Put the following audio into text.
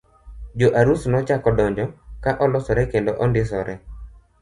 Jo arus nochako donjo ka olosre kendo ondisore.